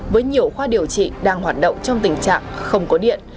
với nhiều khoa điều trị đang hoạt động trong tình trạng không có điện